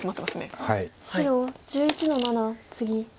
白１１の七ツギ。